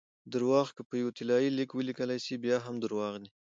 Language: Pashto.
درواغ که په یو طلايي لیک ولیکل سي؛ بیا هم درواغ دي!